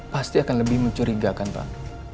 pasti akan lebih mencurigakan pak